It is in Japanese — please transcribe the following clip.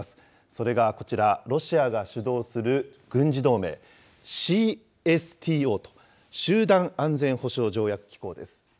それがこちら、ロシアが主導する軍事同盟、ＣＳＴＯと、集団安全保障条約機構です。